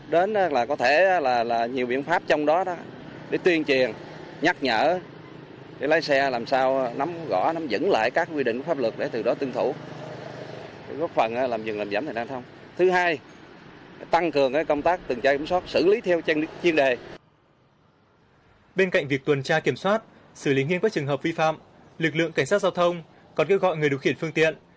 bên cạnh việc tuần tra kiểm soát xử lý nghiêm khắc trường hợp vi phạm lực lượng cảnh sát giao thông còn kêu gọi người điều khiển phương tiện